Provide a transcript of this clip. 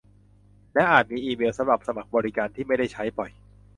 และอาจมีอีเมลสำหรับสมัครบริการที่ไม่ได้ใช้บ่อย